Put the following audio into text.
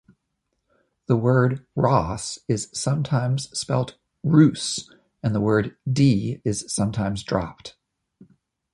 The word "Ros" is sometimes spelt "Roos", and the word "de" is sometimes dropped.